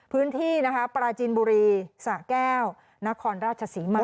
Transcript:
พื้นที่นะคะปราจินบุรีสะแก้วนครราชศรีมา